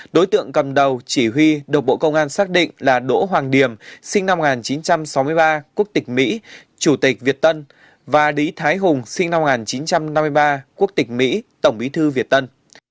đối tượng cầm đầu chỉ huy được bộ công an xác định là đỗ hoàng điểm sinh năm một nghìn chín trăm sáu mươi ba quốc tịch mỹ chủ tịch việt tân và lý thái hùng sinh năm một nghìn chín trăm năm mươi ba quốc tịch mỹ tổng bí thư việt tân